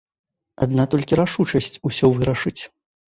Адна толькі рашучасць усё вырашыць.